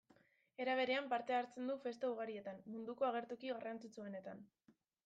Era berean parte hartzen du festa ugarietan, munduko agertoki garrantzitsuenetan.